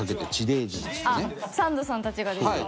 芦田：サンドさんたちがですか？